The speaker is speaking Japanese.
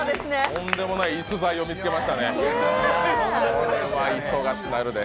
とんでもない逸材を見つけましたね、これは忙しなるで。